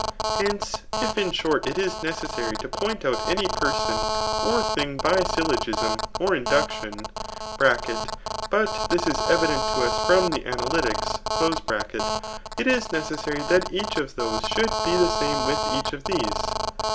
Hence, if in duMt it is necessary to pcmit out any person or thing by syllogisai or induction, (but this is evident to us from the aittlytics) it is neeeseary that each of those should be the same with each of these.